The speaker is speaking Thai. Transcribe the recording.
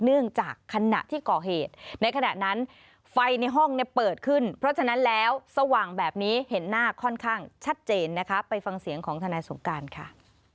เนื่องจากขณะที่ก่อเหตุในขณะนั้นไฟในห้องเนี่ยเปิดขึ้นเพราะฉะนั้นแล้วสว่างแบบนี้เห็นหน้าค่อนข้างชัดเจนนะคะไปฟังเสียงของทนายสงการค่ะ